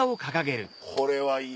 これはいい！